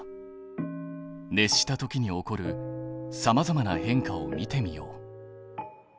熱したときに起こるさまざまな変化を見てみよう。